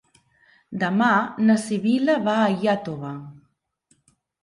Demà na Sibil·la va a Iàtova.